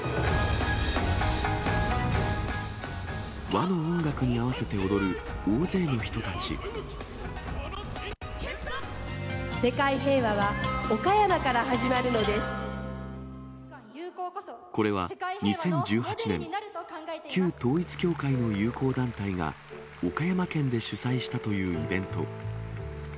和の音楽に合わせて踊る大勢世界平和は岡山から始まるのこれは２０１８年、旧統一教会の友好団体が、岡山県で主催したというイベント。